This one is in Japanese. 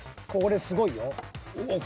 ［すごいよ。